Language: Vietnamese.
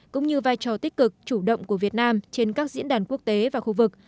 cũng như vai trò tích cực chủ động của việt nam trên các diễn đàn quốc tế và khu vực